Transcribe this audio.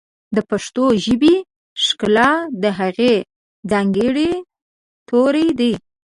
د پښتو ژبې ښکلا د هغې ځانګړي توري دي.